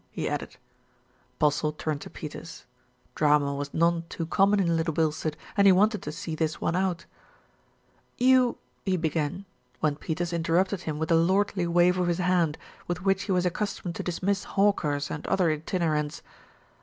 he added. MR. GADGETT TELLS THE TRUTH 329 Postle turned to Peters. Drama was none too com mon in Little Bilstead, and he wanted to see this one out. "You " he began, when Peters interrupted him with a lordly wave of his hand, with which he was accus tomed to dismiss hawkers and other itinerants.